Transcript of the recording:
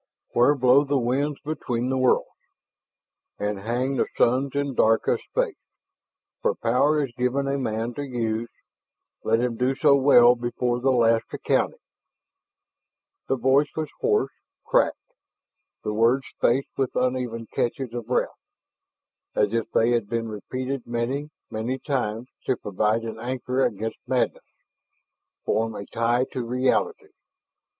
"... where blow the winds between the worlds, And hang the suns in dark of space. For Power is given a man to use. Let him do so well before the last accounting " The voice was hoarse, cracked, the words spaced with uneven catches of breath, as if they had been repeated many, many times to provide an anchor against madness, form a tie to reality.